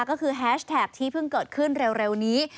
ก็คือแฮชแท็กที่เพิ่งเกิดขึ้นเร็วนี้